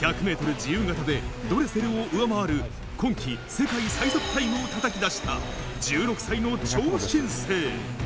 自由形でドレセルを上回る、今季世界最速タイムをたたき出した、１６歳の超新星。